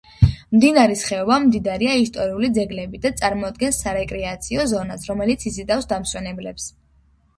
მდინარის ხეობა მდიდარია ისტორიული ძეგლებით და წარმოადგენს სარეკრეაციო ზონას, რომელიც იზიდავს დამსვენებლებს.